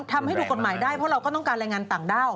ทำให้ถูกกฎหมายได้เพราะเราก็ต้องการแรงงานต่างด้าว